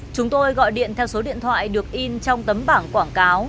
chúng tôi gọi điện theo số điện thoại được in trong tấm bảng quảng cáo